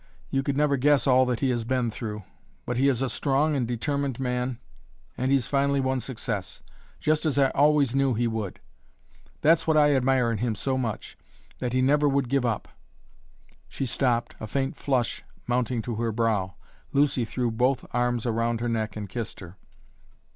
You could never guess all that he has been through. But he is a strong and determined man, and he's finally won success just as I always knew he would. That's what I admire in him so much that he never would give up." She stopped, a faint flush mounting to her brow. Lucy threw both arms around her neck and kissed her.